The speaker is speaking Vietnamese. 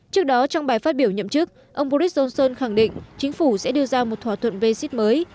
trước đó trong bài phát biểu nhậm chức ông boris johnson khẳng định chính phủ sẽ đưa ra một thỏa thuận brexit mới